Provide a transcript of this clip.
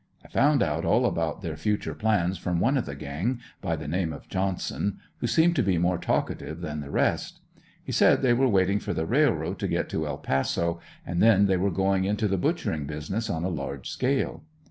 I found out all about their future plans from one of the gang, by the name of Johnson, who seemed to be more talkative than the rest. He said they were waiting for the railroad to get to El Paso; and then they were going into the butchering business on a large scale.